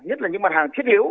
nhất là những mặt hàng thiết hiếu